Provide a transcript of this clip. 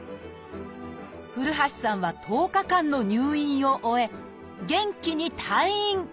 古橋さんは１０日間の入院を終え元気に退院！